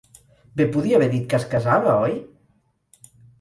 Bé podia haver dit que es casava, oi?